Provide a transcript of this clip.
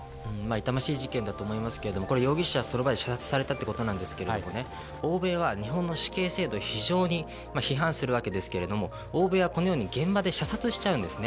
痛ましい事件だと思いますが容疑者は、その場で射殺されたということですが欧米は日本の死刑制度を非常に批判するわけですが欧米は、このように現場で射殺しちゃうんです。